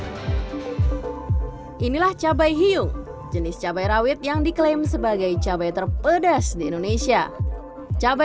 hai inilah cabai hiung jenis cabai rawit yang diklaim sebagai cabai terpedas di indonesia cabai